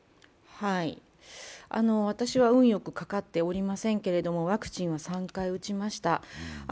私は運よくかかっておりませんけれども、ワクチンは３回打ちました。